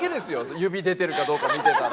指出てるかどうか見てたの。